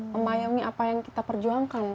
membayangi apa yang kita perjuangkan